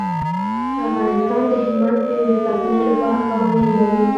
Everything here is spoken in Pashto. افغانستان د هلمند سیند د ساتنې لپاره قوانین لري.